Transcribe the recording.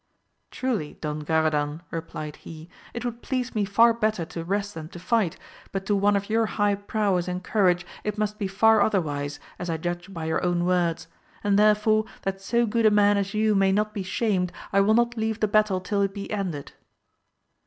Truly Don Garadan, replied he, it would please me far better to rest than to fight, AMADIS OF GAUL. 249 but to one of your high prowess and courage it must be far otherwise, as I judge by your own words ; and therefore that so good a man as you may not be shamed, I will not leave the battle till it be ended.